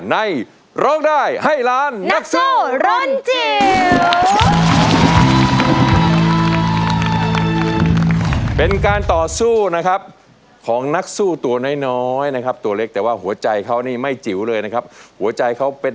ในโลกดาวให้หลาน